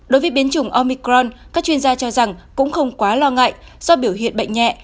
đối với biến chủng omicron các chuyên gia cho rằng cũng không quá lo ngại do biểu hiện bệnh nhẹ